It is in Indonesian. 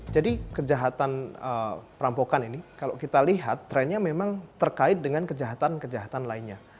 jadi kejahatan perampokan ini kalau kita lihat trennya memang terkait dengan kejahatan kejahatan lainnya